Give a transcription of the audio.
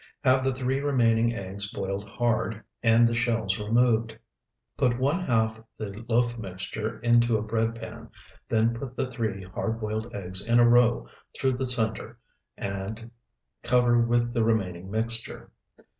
Have the three remaining eggs boiled hard and the shells removed. Put one half the loaf mixture into a bread pan, then put the three hard boiled eggs in a row through the center and cover with the remaining mixture.